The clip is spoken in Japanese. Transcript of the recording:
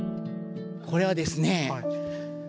これはですね